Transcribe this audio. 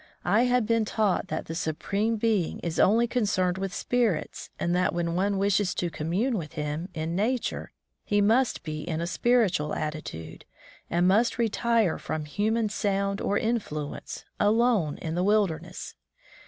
I had been taught that the Supreme Being is only concerned with spirits, and that when one wishes to commune with Him in nature he must be in a spiritual attitude, and must retire from human sound or in fluence, alone in the wilderness.